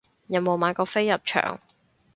有冇買過飛入場